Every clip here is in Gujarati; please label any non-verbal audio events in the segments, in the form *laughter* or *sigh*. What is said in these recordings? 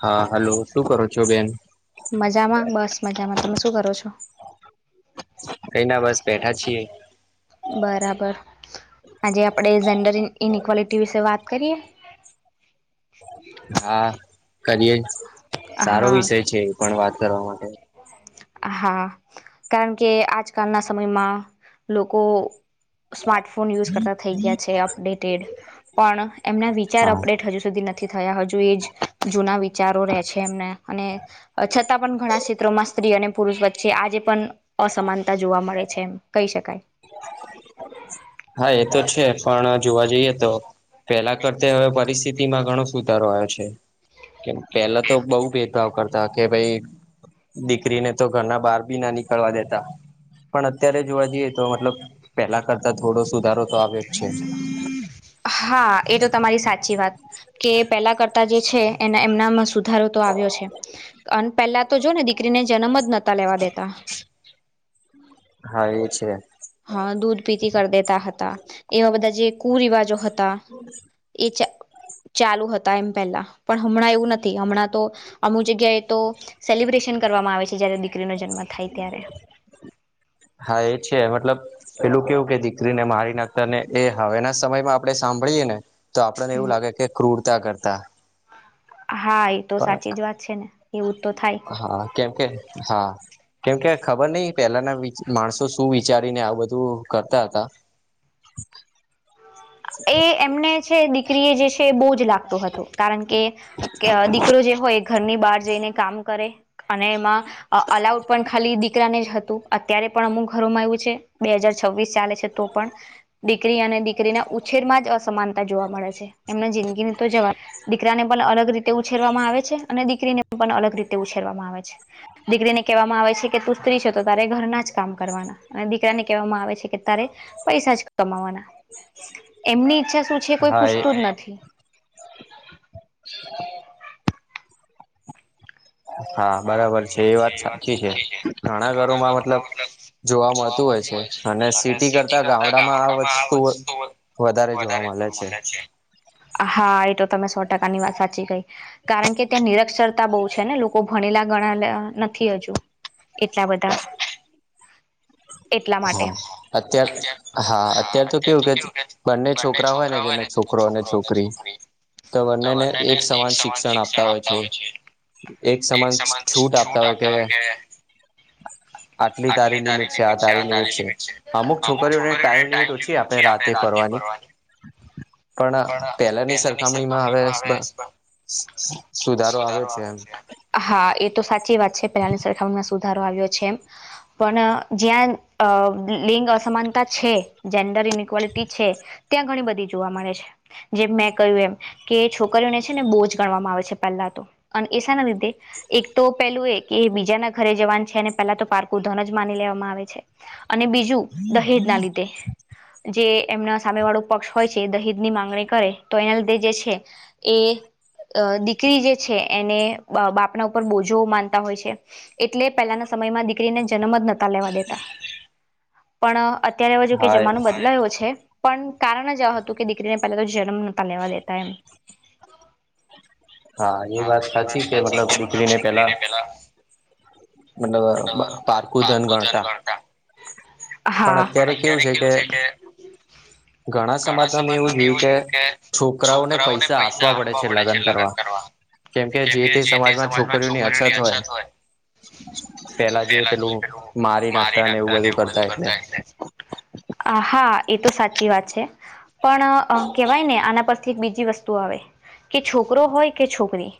હા હલો શું કરો છો બેન. મજામાં બસ મજામાં તમે શું કરો છો. કઈ ના બસ બેઠા છીએ. બરાબર આજે આપડે જેન્ડર ઇનઇક્વલિટી વિશે વાત કરીએ. હા કરીએ જ સારો વિષય છે એ પણ વાત કરવા માટે. હા કારણ કે આજકાલના સમયમાં લોકો સ્માર્ટફોન યુઝ કરતા થઈ ગયા છે અપડેટેડ. પણ એમના વિચાર અપડેટ હજુ સુધી નથી. થયા હજુ એ જ જૂના વિચારો રે છે એમને અને છતાં પણ ઘણા ક્ષેત્રોમાં સ્ત્રી અને પુરુષ વચ્ચે આજે પણ અસમાનતા જોવા મળે છે એમ કહી શકાય. હા એ તો છે પણ જોવા જઈએ તો પેલા કરતા હવે પરિસ્થિતિ એમાં ઘણો સુધારો આયો છે કેમ પહેલા તો બઉ ભેદભાવ કરતા કે ભાઈ દીકરીને તો ઘરના બહાર બી ના નીકળવા દેતા પણ અત્યારે જોવા જઈએ તો મતલબ પહેલા કરતા થોડો સુધારો હા એ તો તમારી સાચી વાત. કે પેલા કરતા જે છે એ એમનામાં સુધારો તો આવ્યો છે અન પેલા તો જો ને દીકરીને જન્મ જ નતા લેવા દેતા. હા એ છે. હા દૂધ પીતી કરી દેતા હતા એવા બધા જે કુરિવાજો હત હતા એ ચા ચાલુ હતા એમ પહેલા પણ હમણાં એવું નથી હમણાં તો અમુક જગ્યાએ તો. સેલિબ્રેશન કરવામાં આવે છે જયારે દીકરીનો જન્મ થાય ત્યારે. હા એ છે મતલબ પેલું કેવું કે દીકરીને મારી નાખતા ને એ હવેના સમયમાં આપણે સાંભળીયે ને તો આપણને એવું લાગે કે ક્રૂરતા કરતા. હા એતો સાચી જ વાત છે ને એવું તો થાય. કેમ કે હા. કેમકે ખબર નહી પહેલાના માણસો શું વિચારીને આવુ બધું કરતા હતા. *inaudible* *inaudible* એમને છે દીકરી એ જે છે બહુ જ લાગતું હતું કારણ કે દીકરો જે હોય ઘરની બહાર જઈને કામ કરે અને એમાં અલાઉ પણ ખાલી દીકરાને જ હતું અત્યારે પણ અમુક ઘરોમાં એવું છે બે હજાર છવ્વીસ ચાલે છે તો પણ દીકરી અને દીકરીને ઉછેરમાં જ અસમાનતા જોવા મળે છે, એમને જિંદગીની તો જવા દીકરાને પણ અલગ રીતે ઉછેરવામાં આવે છે, અને દીકરીને પણ અલગ રીતે ઉછેરવામાં આવે છે. દીકરીને કેવામાં આવે છે કે, તું સ્ત્રી છે, તો તારે ઘરના જ કામ કરવાના. અને દીકરાને કેવામાં આવે છે કે, તારે પૈસા જ કમાવાના. એમની ઈચ્છા શું છે, એ કોઈ પૂછતું જ નથી. હા, બરાબર છે એ વાત સાચી છે, ઘણા ઘરોમાં મતલબ જોવા મળતું હોય છે, અને સિટી કરતા ગામડામાં આ વસ્તુ વધારે જોવા મલે છે. હા, એ તો તમે સો ટકાની વાત સાચી કઈ, કારણ કે ત્યાં નિરક્ષરતા બહુ છે ને, લોકો ભણેલા ગણા લા નથી, અજુ કેટલા બધા હા અત્યાર, હા અત્યાર તો કેવું કે બંને છોકરા હોય ને, જેને છોકરો અને છોકરી તો બંનેને એક સમાન શિક્ષણ આપતા હોય છે. એક સમાન છૂટ આપતા હોય, કે આટલી તારી લિમિટ છે, આ તારી લિમિટ છે. અમુક છોકરીઓને ટાઇમ લિમિટ ઓછી આપે, રાતે ફરવાની પણ, પેલાની સરખામણીમાં આવે પણ સુધારો આવે છે. હા, એ તો સાચી વાત છે, પેલાની સરખામમાં સુધારો આવ્યો છે, એમ પણ જ્યાં અ લિંગ અસમાનતા છે, જેન્ડર ઇનક્વલિટી છે. ત્યાં ઘણી બધી જોવા મળે છે, જેમ મેં કહ્યું એમ કે, છોકરીઓને છે ને, બોજ ગણવામાં આવે છે, પેલા તો અને એ સાના લીધે? એક તો પેલું એ કે, બીજાના ઘરે જવાન છે, ને પેલા તો, પારકું ધન જ માની લેવામાં આવે છે, અને બીજું, દહેજ ના લીધે જે એમના સામે વાળું પક્ષ હોય છે, દહીજની માંગણી કરે તો, એના લીધે જે છે. એ દીકરી જે છે, એને બ બાપના ઉપર બોજો માનતા હોય છે. એટલે પેલાના સમયમાં દીકરીને જનમ જ નહતા લેવા દેતા પણ, અત્યારે અવે જો કે જમાનો બદલાયો છે. પણ કારણ જ અ હતું કે, દીકરીને પેલા તો જનમ નતા લેવા દેતા, એમ હા, એ વાત સાચી કે મતલબ દીકરી ને પેલા મતલબ પારકુ ધન ગણતા. હા, પણ અત્યારે કેવું છે, કે ઘણા સમાજમાં મેં એવું જોયું કે, છોકરાઓને પૈસા આપવા પડે છે, લગન કરવા કેમ કે, જે તે સમાજમાં છોકરીઓની અછત હોય પેલા જે પેલું મારી નાખતા ને, એવું બધું કરતા એટલે આ હા, એ તો સાચી વાત છે. પણ અ, કેવાય ને આના પરથી એક બીજી વસ્તુ આવે કે, છોકરો હોય કે, છોકરી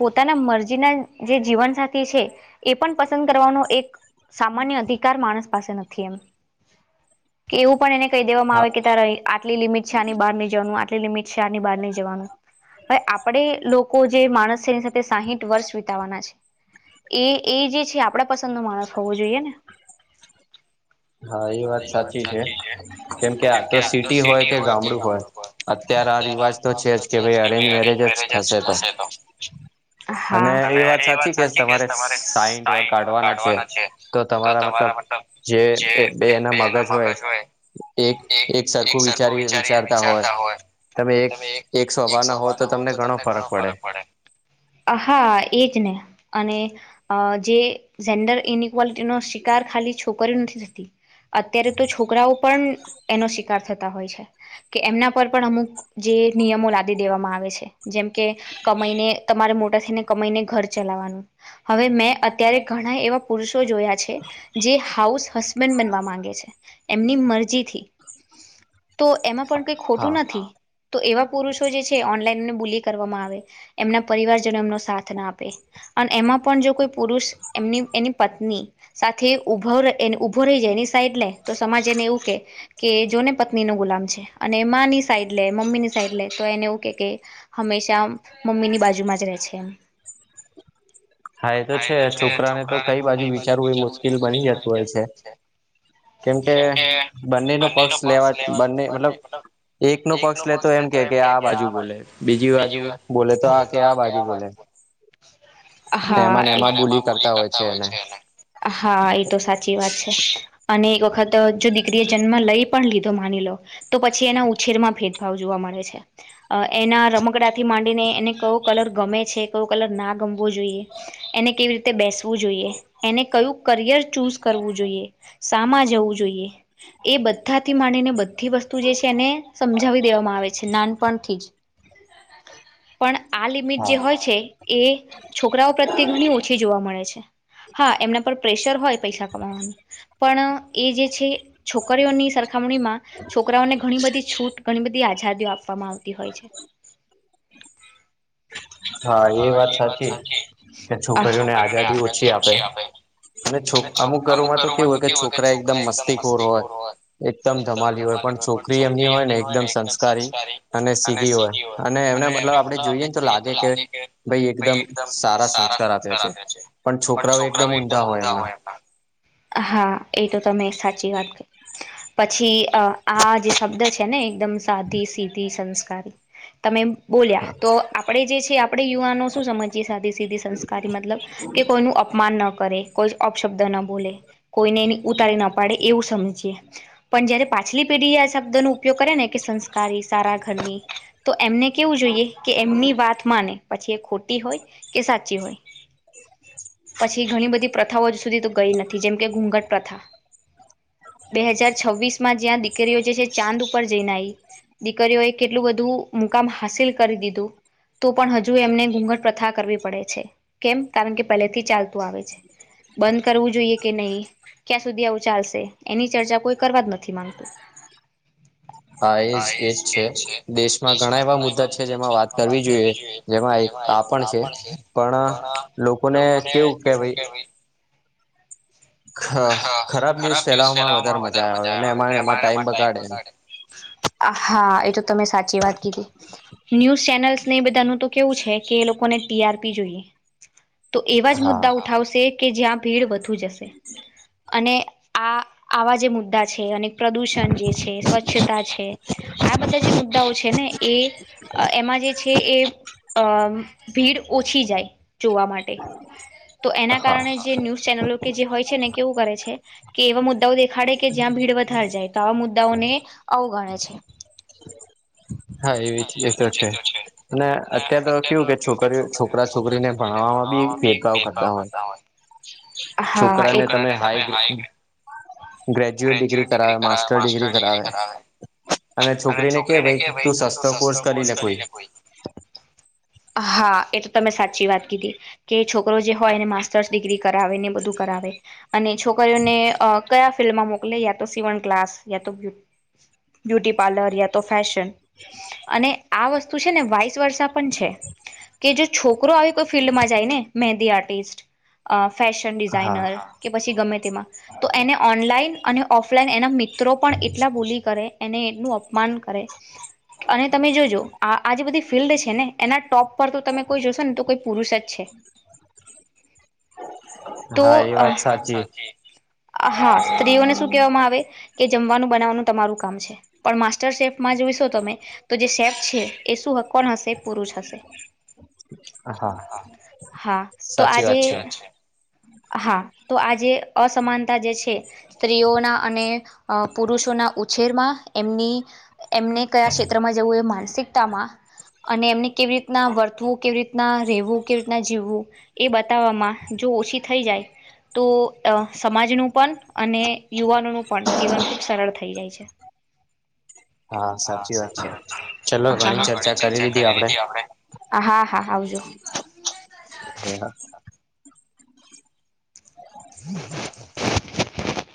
પોતાના મરજીના જે જીવનસાથી છે, એ પણ કરવાનો એક સામાન્ય અધિકાર માણસ પાસે નથી એમ, એવું પણ, એને ક‌ઈ દેવામાં આવે કે તારે આટલી લિમિટ છે, આની બાર નઈ જવાનું આટલી લિમિટ છે, આની બહાર નઈ જવાનું હવે, આપણે લોકો જે માણસ છે, એની સાથે સાહીઠ વર્ષ વિતાવાના છે. એ, એ જે છે, આપણા પસંદનો માણસ હોવો જોઈએ ને હા, એ વાત સાચી છે, કેમ કે આ તો સિટી હોય કે ગામડું હોય અત્યાર આ રિવાજ તો છે, જ કે ભઈ અરેન્જ મેરેજ જ થશે તો અને, એ વાત સાચી કે તમારે સાઈટ વર્ક કાઢવાના છે, તો તમારા મતલબ જે એ બે એના મગજ હોય. એક- એક સરખું વિચારી વિચારતા હોય તમે એક- એક સ્વભાવના હોવ તો તમને ઘણો ફરક પડે. હા, એજ ને અને અ જે જેન્ડર એની વલટીનો શિકાર ખાલી છો છ નથી થતી અત્યારે તો છોકરાઓ પણ એનો શિકાર થતા હોય છે. કે, એમના પર પણ અમુક જે નિયમો લાદી દેવામાં આવે છે. જેમ કે કમાઈને તમારે મોટા થઈને કમાઈને ઘર ચલાવવાનું હવે મેં ત્યારે ઘણા એવા પુરુષો જોયા છે, જે હાઉસ હસબન્ડ બનવા માંગે છે. એમની મરજીથી તો એમાં પણ કઈ ખોટું નથી તો એવા પુરુષો જે છે, ઓનલાઈનને બૂલી કરવામાં આવે એમના પરિવારજનો એમનો સાથ ના આપે અને એમાં પણ જો કોઈ પુરુષ એમની એની પત્ની સાથે ઉભો ઉભો રહી જાય એની સાઈડ લે તો સમાજ એને એવું કે કે જોને પત્ની નું ગુલામ છે અને માની સાઈડ લે મમ્મી ની સાઈડ લે તો એને એવું કે કે હંમેશા મમ્મી ની બાજુમાં જ રહે છે હા એ તો છે છોકરાને તો કઈ બાજુ વિચારવું એ મુશ્કેલ બની જત પ છે કેમ કે બંને નો પક્ષ લેવા બંને મતલબ એક નો પક્ષ લે તો એમ કે કે આ બાજુતે બીજી વાત બોલે તો આ કે આ બાજુતે હા હોય છે હા એ તો સાચી વાત અને એક વખત જો દીકરીએ જન્મ લઈ પણ લીધો માની લો તો પછી એના ઉછેરમાં ભેદભાવ જોવા મળે છે એના રમકડાથી માંડીને એને કયોો કલર ગમે છે કયોું કલર ના ગમવો જોઈએ એને કેવી રીતે બેસવું જોઈએ એને કયું કરિયર ચૂઝ કરવું જોઈએ સામા જવું જોઈએ એ બધાથી માનીને બધી વસ્તુ જે છે એને સમજાવી દેવામાં આવે છે નાનપણથી જ પણ આ લિમિટ જે હોય છે એ છોકરાઓ પ્રત્યે ઘણી છી જોવા મળે છે હા એમના પર પ્રેશર હોય પૈસા કમાવાનું પણ એ જે છે છોકરીઓની સરખામણી માં છોકરાઓને ઘણી બધી છૂટ ઘણી બધી આઝાદીઓ આપવામાં આવતી હોય છે હા એ વાત સાચી છોકરીઓને આઝાદી ઓછી આપ ભાઈ અને અમુક ઘરમાં તો કેવું હોય કે છોકરા એકદમ મસ્તીખોર હોય એકદમ તમારી હોય પણ છોકરી એમની હોય ને એકદમ સંસ્કારી અને સીધી હોય અને એમને મતલબ આપડણે જોઈએને તો લાગે કે ભાઈ એકદમ સારા આપ્યા છે પણ છોકરાઓ એકલે મલતા હોય એ હા એ તો તમે સાચી વાત ક પછી આ જે શબ્દ છે ને એકદમ સાધી સીધી સંસ્કારી તમે બોલ્યા તો આપડે જે છે આપણેે યુવાનો શું સમજીયએ સાધી સીધી સં કાર મતલબ કે કોઈનું અપમાન ના કરે કોઈ અપશબ્દ ના બોલે કોઈને એની ઉતારી ના પાડે એવું સમજીએ પણ જયારે પાછલી પેઢી એ આ શબ્દ ન ઉપયોગ કરે ને કે સંસ્કારી સારા ઘરની તો એમને કેવું જોઈએ કે એમની વાત માને પછી એ ખોટી હોય કે સાચી હોય *inaudible* પછી ઘણી બધી પ્રથાઓ હજુ સુધી તો ગઈ નથી જેમ કે ઘૂંઘટ પ્રથા બે હજાર છવ્વીસ માં જ્યાં દીકરીઓ જે છે ચાંદ ઉપર જઈને આવી દીકરીઓએ કેટલું બધું મુકામ હાસિલ કરી દીધું તો પણ હજુ એમને ઘૂઘટ પ્રથા કરવી પડે છે કેમ કારણ કે પહેલેથી ચાલતી છે બંધ કરવું જોઈએ કે નહીિ ક્યાં સુધી આવું ચાલશે એની ચર્ચા કોઈ કરવા જ નથી માંગતું હા એજ એજ છે દેશમાં ઘણા એવા મુદ્દા છે જેમાં વાત કરવી જોઈએ જેમાં એક આ પણ છે પણ લોકોને કેવું કે ભાઈ હ ખરાબ ન્યુઝ ફેલામાં વધારે મજા આવે એમાં ટાઈમ વધાડે હા એ તો તમે સાચી વાત કીધી ન્યૂઝ ચેનલ્સ ને બધાનું કેવું છે કે એ લોકોને ટીઆરપી જોઈએ તો એવા જ મુદ્દા ઉઠાવશે કે જ્યાં ભીડ વધુ જશે અને આ આવા જે મુદ્દા છે અને પ્રદૂષણ જે છે સ્વચ્છતા છે આ બધા જે મુદ્દાઓ છે ને એ એમાં જે છે એ અ ભીડ ઓછી જાય જોવા માટે તો એના કારણે જે ન્યૂઝ ચેનલો કે જે હોય છે ને કેવું કરે છે કે એવા મુદ્દાઓ દેખાડે કે જ્યાં ભીડ વધાર જાય આવા મુદ્દાઓને આવું ગણે છે હા એ એ તો છે અને અત્યારે તો કેવું કે છોકરીઓ છોકરા છોકરીને ભણવામાં બી ભેદભાવ કરતા હોય. હા એ છોકરાને તમે હાઈ ગ્રેજ્યુએટ ડિગ્રી કરાવે માસ્ટર ડિગ્રી કરાવે અને છોક રીને કે ભઈ તું સસ્તો કોર્સ કરી લે કોઈ. હા એ તો તમે સાચી વાત કીધી. કે છોકરો જે હોય એને માસ્ટર્સ ડિગ્રી કરાવે ને એ બધું કરાવે. અને છોકરીઓને અ કયા ફિલ્ડમાં મોકલે, યા તો સીવણ ક્લાસ યા તો બ્યુટ બ્યુટી પાર્લર યા તો ફેશન. અને આ વસ્તુ છે ને વાઈસ વર્ષા પણ છે કે જે છોકરો આવી કોઈ ફિલ્ડમાં જાય ને મેંદી આર્ટિસ્ટ અ ફેશન ડિઝાઇનર કે પછી ગમે તેમાં, તો એને ઓનલાઈન અને ઓફલાઈન. એના મિત્રો પણ એટલા બુલી કરે એને એટલુ અપમાન કરે અને તમે જોજો. આ આ જે બધી ફિલ્ડ છે ને એના ટોપ પર તો તમે કોઈ જોશોન, તો કોઈ પુરુષ જ છે. તો હા સ્ત્રીઓને શું કહેવામાં આવે, કે જમવાનું બનાવવાનું તમારું કામ છે પણ માસ્ તર શેફમાં જોઈશો તમે, તો જે શેફ છે એ શું હશે કોણ હસે પૂરું થશે. હા તો આજે હા તો આ જે અસમાનતા જે છે. સ્ત્રીઓના અને અ પુરુષોના ઉછેરમાં, એમની એમને કયા ક્ષેત્રમાં જવું એ માનસિકતામાં અને એમની કેવી રીતના વર્તવું, કેવી રીતના રહેવું, કેવી રીતના જીવવું એ બતાવવામાં જો ઓછી થઈ જાય, તો અ સમાજનું પણ અને યુવાનોનું પણ જીવન ખુબ સરળ થઈ જાય છે. હા સાચી વાત છે. હા હા આવજો. નેહા. *inaudible*